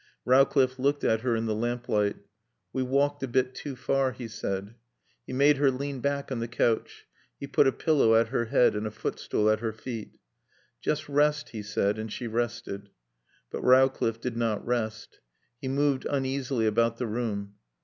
Rowcliffe looked at her in the lamplight. "We've walked a bit too far," he said. He made her lean back on the couch. He put a pillow at her head and a footstool at her feet. "Just rest," he said, and she rested. But Rowcliffe did not rest. He moved uneasily about the room.